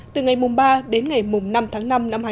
từ ngày ba đến ngày năm tháng năm năm hai nghìn một mươi tám